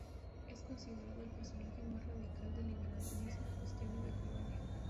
Es considerado el personaje más radical del liberalismo costeño de Colombia.